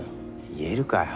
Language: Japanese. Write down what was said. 言えるかよ。